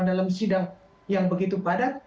dalam sidang yang begitu padat